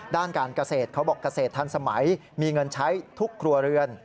ด้านการเกษตรเขาบอกเกษตรทันสมัยมีเงินใช้ทุกครัวเรือน